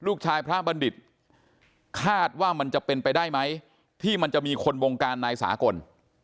พระบัณฑิตคาดว่ามันจะเป็นไปได้ไหมที่มันจะมีคนบงการนายสากล